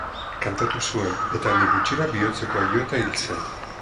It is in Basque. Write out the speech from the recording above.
Kantatu zuen eta handik gutxira bihotzekoak jota hil zen.